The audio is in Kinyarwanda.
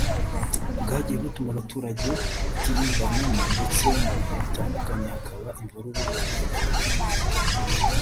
bwagiye butuma abaturage batiyumvanamo ndetse mu bihe bitandukanye hakaba imvururu n’imyigaragambyo